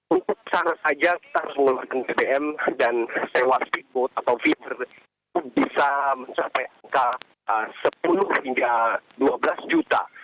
untuk cara saja kita harus mengeluarkan bbm dan sewa speedboat atau feeder itu bisa mencapai angka sepuluh hingga dua belas juta